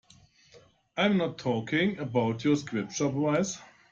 I'm not talking about your Scripture prize.